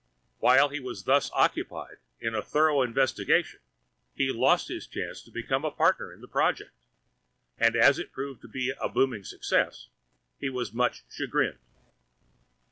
While he was thus Occupied in a thorough Investigation he Lost his Chance of becoming a Partner in the Project, and as It proved to be a Booming Success, he was Much Chagrined.